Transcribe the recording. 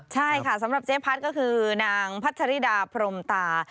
ใช่ค่ะสำหรับเจ๊พัดก็คือนางพัชริดาพรมตา